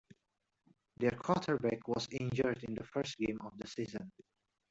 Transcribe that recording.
Their quarterback was injured in the first game of the season.